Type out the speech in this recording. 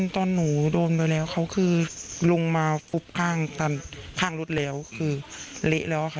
ตอนหนูโดนไปแล้วเขาคือลงมาปุ๊บข้างรถแล้วคือเละแล้วค่ะ